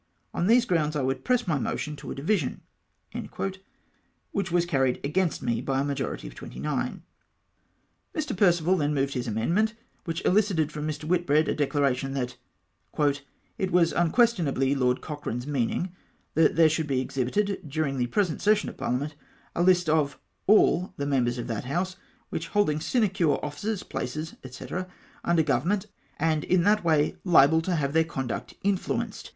On these grounds I would press my motion to a division," — which was carried against me by a majority of 29. ]\ir. Perceval then moved his amendment, which ehcited from ]\Ir. Wliitbread a declaration, that " it was unquestionably Lord Cochrane's meaning that there should be exhibited, dming the present session of par liament, a hst of all the members of that House hold ing sinecure offices, places, &c., under Government, and in that way liable to have their conduct influenced.